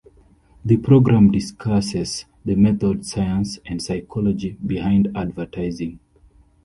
The program discusses the methods, science and psychology behind advertising.